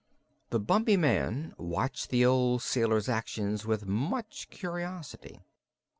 The Bumpy Man watched the old sailor's actions with much curiosity.